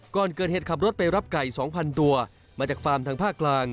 ก่อนเกิดเหตุขับรถไปรับไก่๒๐๐ตัวมาจากฟาร์มทางภาคกลาง